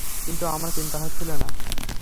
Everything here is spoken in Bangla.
কিন্তু আমার চিন্তা হচ্ছিলো না।